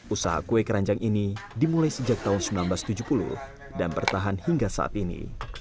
usaha kue keranjang ini dimulai sejak tahun seribu sembilan ratus tujuh puluh dan bertahan hingga saat ini